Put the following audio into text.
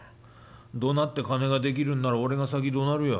どなって金ができるんなら俺が先どなるよ。